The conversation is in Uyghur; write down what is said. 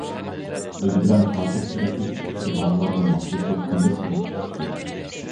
ئۆزى بىلەن خاتىرە سۈرەتكە چۈشكۈسى بارلارغا ماسلىشىپ، بىللە سۈرەتكە چۈشتى.